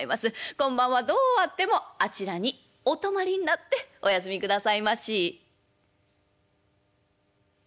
今晩はどうあってもあちらにお泊まりになってお休みくださいまし」。